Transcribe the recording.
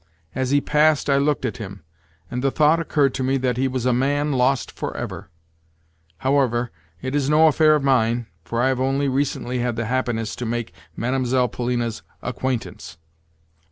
As he passed I looked at him, and the thought occurred to me that he was a man lost for ever. However, it is no affair of mine, for I have only recently had the happiness to make Mlle. Polina's acquaintance.